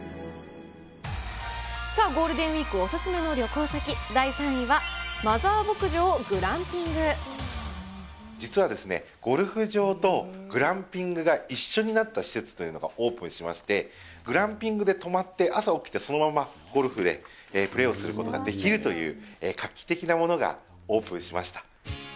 さあ、ゴールデンウィークお勧めの旅行先第３位は、実はですね、ゴルフ場とグランピングが一緒になった施設というのがオープンしまして、グランピングで泊まって、朝起きて、そのままゴルフでプレーをすることができるという、画期的なものがオープンしました。